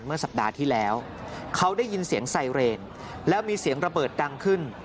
เมื่อสัปดาห์ที่แล้วเขาได้ยินเสียงไซเรนแล้วมีเสียงระเบิดดังขึ้น